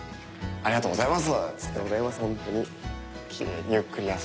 ありがとうございます。